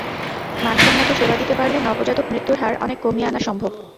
মানসম্মত সেবা দিতে পারলে নবজাতক মৃত্যুর হার অনেক কমিয়ে আনা সম্ভব।